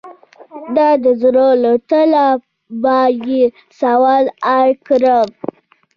د زړه له تله به یې سوال اړ کړم.